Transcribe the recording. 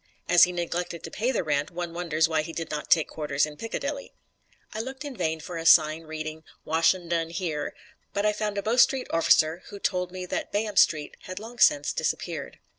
As he neglected to pay the rent, one wonders why he did not take quarters in Piccadilly. I looked in vain for a sign reading, "Washin dun Heer," but I found a Bow Street orf'cer who told me that Bayham Street had long since disappeared.